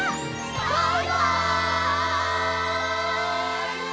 バイバイ！